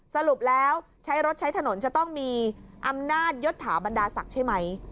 สรุปแล้วใช้รถใช้ถนนจะต้องมีอำนาจยศถาบรรดาศักดิ์ใช่ไหม